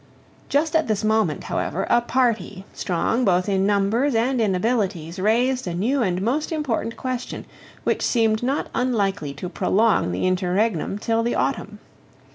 Just at this moment, however, a party, strong both in numbers and in abilities, raised a new and most important question, which seemed not unlikely to prolong the interregnum till the autumn.